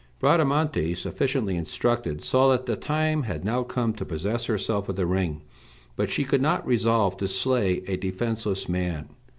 Bradamante, sufficiently instructed, saw that the time had now come to possess herself of the ring; but she could not resolve to slay a defenceless man.